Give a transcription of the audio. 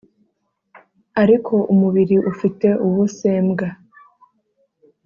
Ariko umubiri ufite ubusembwa